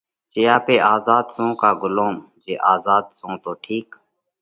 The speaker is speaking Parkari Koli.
جي آپي آزاڌ سون ڪا ڳلُوم؟ جي آزاڌ سون تو ٺِيڪ